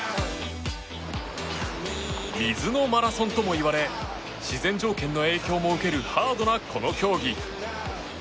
水のマラソンともいわれ自然条件の影響も受けるハードなこの競技。